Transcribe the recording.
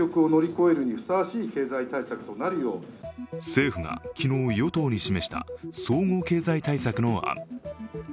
政府が昨日与党に示した総合経済対策の案。